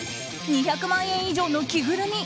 ２００万円以上の着ぐるみ。